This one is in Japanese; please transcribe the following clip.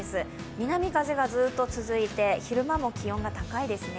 南風がずっと続いて昼間も気温が高いですね。